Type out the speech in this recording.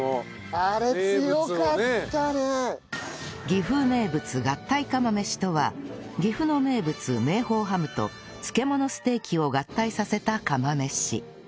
岐阜名物合体釜飯とは岐阜の名物明宝ハムと漬物ステーキを合体させた釜飯